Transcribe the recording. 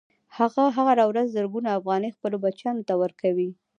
هغه هره ورځ زرګونه افغانۍ خپلو بچیانو ته ورکوي